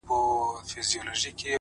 هره ورځ د اصلاح نوې دروازه ده!